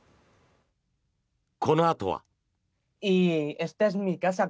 このあとは。